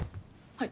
はい。